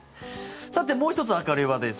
さて、もう１つ明るい話題です。